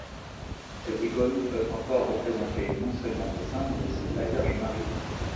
Ces icônes peuvent encore représenter, non seulement des saints, mais aussi la Vierge Marie.